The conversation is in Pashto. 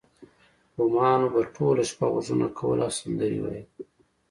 بومانو به ټوله شپه غږونه کول او سندرې ویلې